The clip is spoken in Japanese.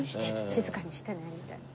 静かにしてねみたいな。